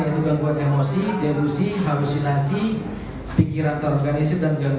yaitu gangguan emosi delusi halusinasi pikiran terorganisir dan gangguan